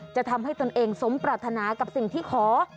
จะทำให้ตนเองสมปรารถนากับสิ่งที่ขอ